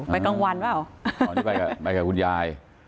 ไปกองวันเปล่า